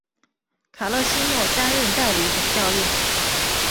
卡勒西莫担任代理总教练。